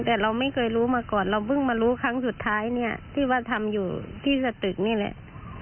แต่เราไม่เคยรู้มาก่อนเราเพิ่งมารู้ครั้งสุดท้ายเนี่ยที่ว่าทำอยู่ที่สตึกนี่แหละ